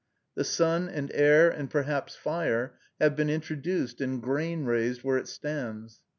The sun and air, and perhaps fire, have been introduced, and grain raised where it stands.